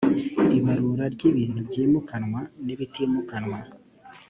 ibarura ry ibintu byimukanwa n bitimukanwa